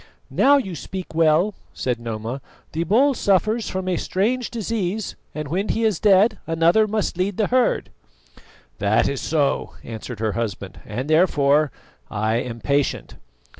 "Now you speak well," said Noma; "the bull suffers from a strange disease, and when he is dead another must lead the herd." "That is so," answered her husband, "and, therefore, I am patient."